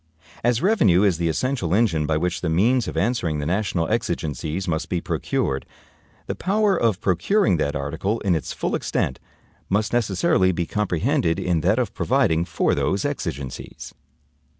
As revenue is the essential engine by which the means of answering the national exigencies must be procured, the power of procuring that article in its full extent must necessarily be comprehended in that of providing for those exigencies.